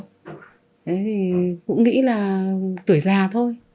thế thì cũng nghĩ là tuổi già thôi